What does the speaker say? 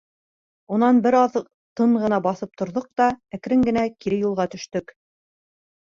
Унан бер аҙ тын ғына баҫып торҙоҡ та әкрен генә кире юлға төштөк.